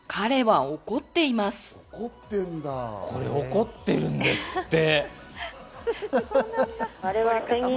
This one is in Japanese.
怒ってるんですって。